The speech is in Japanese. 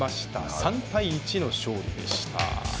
３対１の勝利でした。